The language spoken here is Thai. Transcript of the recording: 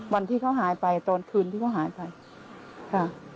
วันที่เขาหายไปตอนคืนที่เขาหายไปค่ะ